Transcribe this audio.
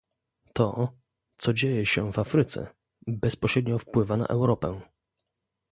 To, co dzieje się w Afryce, bezpośrednio wpływa na Europę